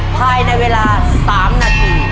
ภายในเวลา๓นาที